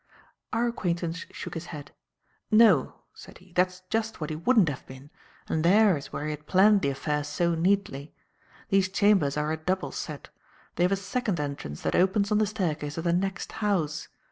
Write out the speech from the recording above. Our acquaintance shook his head. "No," said he; "that's just what he wouldn't have been, and there is where he had planned the affair so neatly. These chambers are a double set. They have a second entrance that opens on the staircase of the next house.